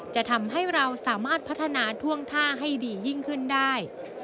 จะทำให้เราสามารถพัฒนาท่วงท่าให้ดียิ่งขึ้นได้